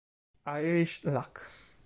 Irish Luck